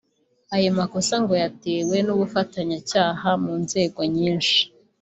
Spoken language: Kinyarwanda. Ayo makosa ngo yetewe n’ubufatanyacyaha mu nzego nyinshi